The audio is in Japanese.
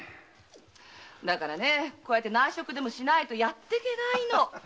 だからこうして内職でもしないとやってけないの。